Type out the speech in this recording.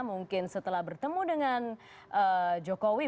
mungkin setelah bertemu dengan jokowi